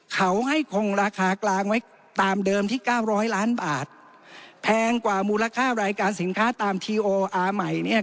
เขาให้คงราคากลางไว้ตามเดิมที่เก้าร้อยล้านบาทแพงกว่ามูลค่ารายการสินค้าตามทีโออาร์ใหม่เนี่ย